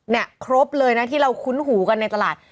ครบเลยนะที่เราคุ้นหูกันในตลาด